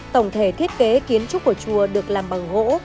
tổng thể thiết kế kiến trúc của chùa được làm bằng gỗ